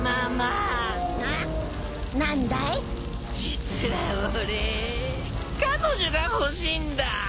実は俺彼女が欲しいんだ。